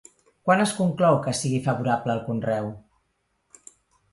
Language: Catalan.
Quan es conclou que sigui favorable el conreu?